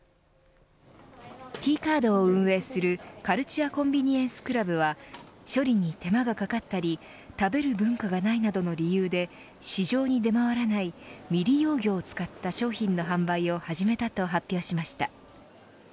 Ｔカードを運営するカルチュア・コンビニエンス・クラブは処理に手間がかかったり食べる文化がないなどの理由で市場に出回らない未利用魚を使った商品の販売を始めたと発表しました。